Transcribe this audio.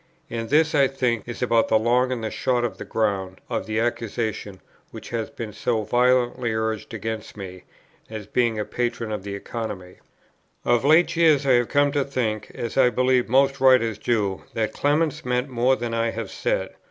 And this, I think, is about the long and the short of the ground of the accusation which has been so violently urged against me, as being a patron of the Economy. Vide Note F, The Economy. Of late years I have come to think, as I believe most writers do, that Clement meant more than I have said.